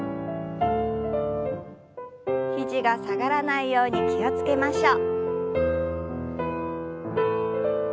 肘が下がらないように気を付けましょう。